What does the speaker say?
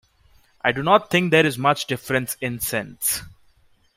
I do not think there is much difference in sense.